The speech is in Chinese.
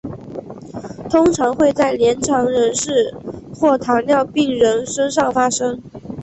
通常会在年长人士或糖尿病人身上发生。